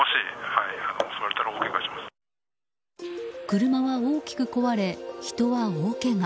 車は大きく壊れ、人は大けが。